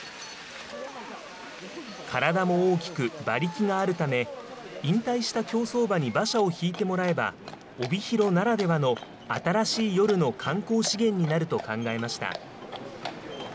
体も大きく、馬力があるため、引退した競走馬に馬車を引いてもらえば、帯広ならではの新しい夜の観光資源になると考えました。